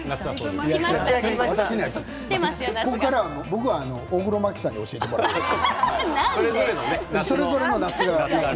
僕は大黒摩季さんに教えてもらいます。